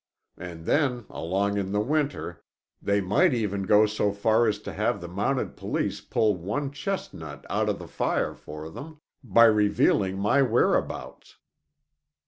And then along in the winter they might even go so far as to have the Mounted Police pull one chestnut out of the fire for them, by revealing my whereabouts."